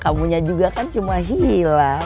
kamunya juga kan cuma hilang